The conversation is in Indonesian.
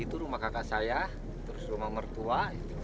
itu rumah kakak saya terus rumah mertua